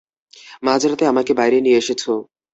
মাঝরাতে আমাকে বাইরে নিয়ে এসেছ।